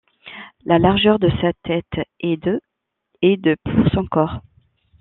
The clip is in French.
La largeur de sa tête est de et de pour son corps.